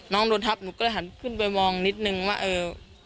น้องโดนทับหนูก็เลยหันขึ้นไปมองนิดนึงว่าเออ